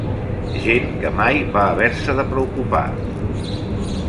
Gent que mai va haver-se de preocupar.